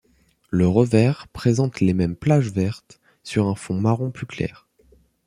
Le revers présente les mêmes plages vertes sur un fond marron plus clair.